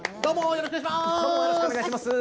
よろしくお願いします